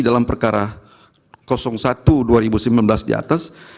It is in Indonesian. dalam perkara satu dua ribu sembilan belas di atas